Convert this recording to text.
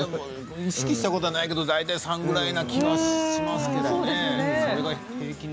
意識したことはないけれど大体３回ぐらいな感じがしますね。